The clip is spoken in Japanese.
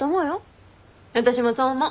私もそう思う。